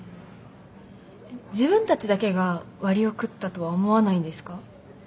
自分たちだけが割を食ったとは思わないんですか？